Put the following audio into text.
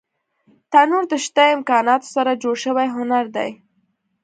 تنور د شته امکاناتو سره جوړ شوی هنر دی